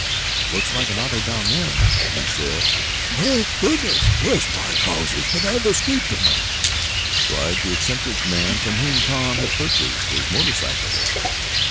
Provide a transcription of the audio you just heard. "Looks like an auto down there," he said. "Thank goodness! Bless my trousers, but I've escaped 'em!" cried the eccentric man from whom Tom had purchased his motor cycle.